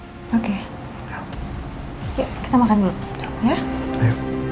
yuk kita makan dulu